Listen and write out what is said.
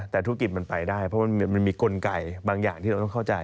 แต่ธุรกิจมันไปได้เพราะมันมีกลไกบางอย่างที่เราต้องเข้าใจ